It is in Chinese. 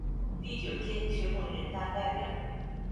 第九届全国人大代表。